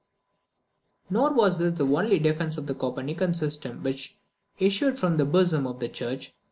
Nor was this the only defence of the Copernican system which issued from the bosom of the Church.